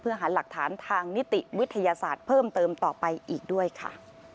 เพื่อหาหลักฐานทางนิติวิทยาศาสตร์เพิ่มเติมต่อไปอีกด้วยค่ะ